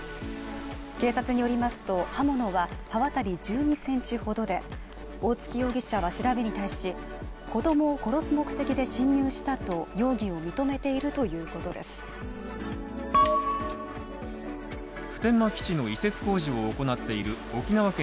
警察によりますと、刃物は、刃渡り１２センチほどで、大槻容疑者は調べに対し、子供を殺す目的で侵入したと容疑を認めているということです。